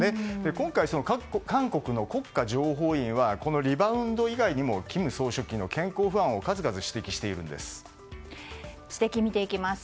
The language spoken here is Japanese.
今回、韓国の国家情報院はリバウンド以外にも金総書記の健康不安を指摘を見ていきます。